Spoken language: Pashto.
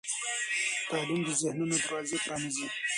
تعلیم د ذهنونو دروازې پرانیزي.